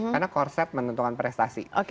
karena korset menentukan prestasi